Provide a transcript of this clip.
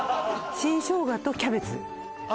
新生姜とキャベツあ